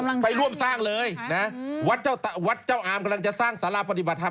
ไม่มีไปร่วมสร้างเลยน่ะครับวัชเจ้าอามกำลังจะสร้างสาระพฤติบัติธรรม